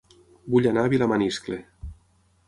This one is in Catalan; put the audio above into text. Vull anar a Vilamaniscle